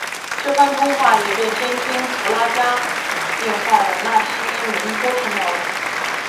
这番通话也被监听弗拉加电话的纳西门托听到了。